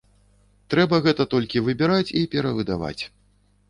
Трэба гэта толькі выбіраць і перавыдаваць.